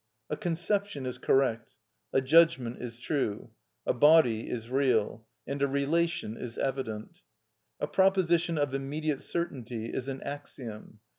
A conception is correct; a judgment is true; a body is real; and a relation is evident. A proposition of immediate certainty is an axiom.